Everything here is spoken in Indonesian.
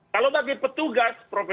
kalau bagi petugas prof